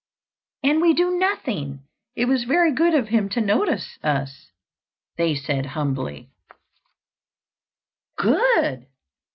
"And we do nothing! It was very good of him to notice us," they said, humbly. "Good!"